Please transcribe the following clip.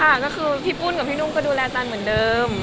ค่ะก็คือพี่ปุ้นกับพี่นุ่มก็ดูแลตันเหมือนเดิม